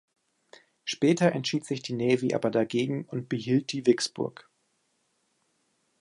Später entschied sich die Navy aber dagegen und behielt die "Vicksburg".